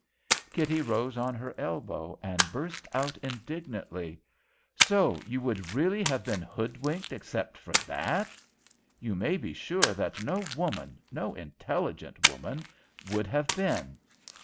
Kitty rose on her elbow and burst out indignantly: "So you would really have been hood winked except for that! You may be sure that no woman, no intelligent woman, would have been.